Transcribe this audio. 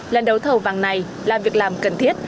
lần đấu thầu vàng này là việc làm cần thiết